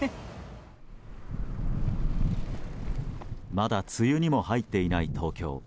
まだ梅雨にも入っていない東京。